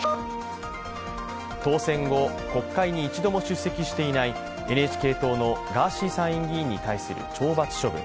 当選後、国会に一度も出席していないＮＨＫ党のガーシー参院議員に対する懲罰処分。